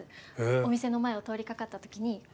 お店の前を通りかかった時に声かけて。